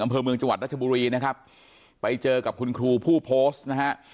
อำเภอเมืองจังหวัดรัชบุรีนะครับไปเจอกับคุณครูผู้โพสต์นะฮะ